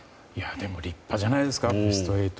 でも立派じゃないですかベスト８。